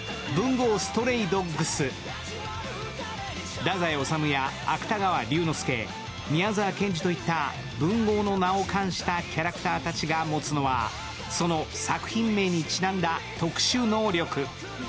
太宰治や芥川龍之介、宮沢賢治といった文豪の名を冠したキャラクターたちが持つのはその作品名にちなんだ特殊能力。